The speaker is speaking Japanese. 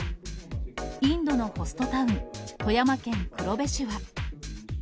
インドのホストタウン、富山県黒部市は。